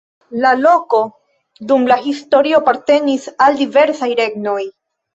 La loko dum la historio apartenis al diversaj regnoj.